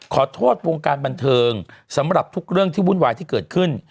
ขอโทษวงการบันเทิงสำหรับทุกเรื่องที่วุ่นวายที่เกิดขึ้น